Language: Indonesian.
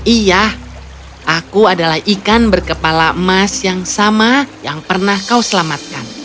iya aku adalah ikan berkepala emas yang sama yang pernah kau selamatkan